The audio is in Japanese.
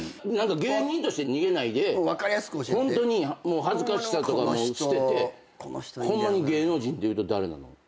芸人として逃げないでホントに恥ずかしさとか捨ててホンマに芸能人でいうと誰なの？